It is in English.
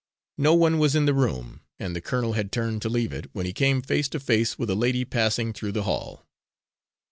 No one was in the room, and the colonel had turned to leave it, when he came face to face with a lady passing through the hall.